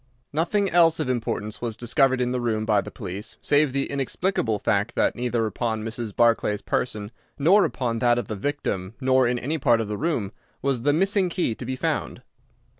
Nothing else of importance was discovered in the room by the police, save the inexplicable fact that neither upon Mrs. Barclay's person nor upon that of the victim nor in any part of the room was the missing key to be found.